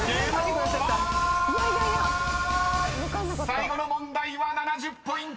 ［最後の問題は７０ポイント！］